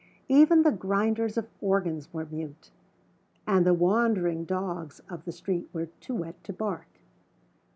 Even the grinders of organs were mute; and the wandering dogs of the street were too wet to bark.